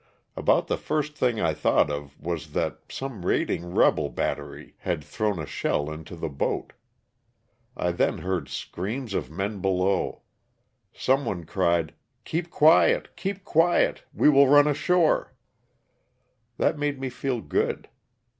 About the first thing I thought of was that some raiding rebel battery had LOSS OF THE SULTANA. 159 thrown a shell into the boat. I then heard screams of men below. Some one cried '^ Keep quiet ! Keep quiet I We will run ashore." That made me feel good.